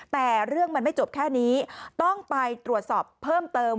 แต่เรื่องมันไม่จบแค่นี้ต้องไปตรวจสอบเพิ่มเติม